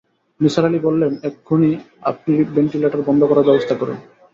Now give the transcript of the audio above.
নিসার আলি বললেন, এক্ষুণি আপনি ভেন্টিলেটার বন্ধ করার ব্যবস্থা করুন।